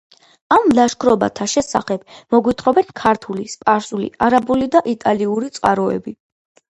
ამ ლაშქრობათა შესახებ მოგვითხრობენ ქართული, სპარსული, არაბული და იტალიური წყაროები.